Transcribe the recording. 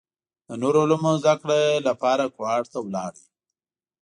د نورو علومو زده کړې لپاره کوهاټ ته لاړ.